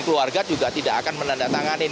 keluarga juga tidak akan menandatanganin